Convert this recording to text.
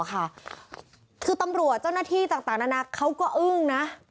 คือตำรวจเจ้าหน้าที่ต่างนานาเขาก็อึ้งนะ